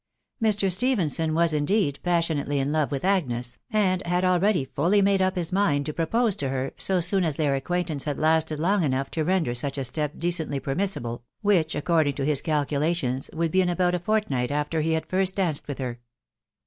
Mr. Stephenson was indeed passionately in love with Agnes, and had already fully made up his mind to propose to her, so soon as their acquaintance had lasted long enough to render such a step decently permissible, which, according to his calculations, would be in about a fortnight after he had first danced with her.